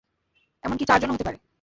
এমনকি চারজনও হতে পারে।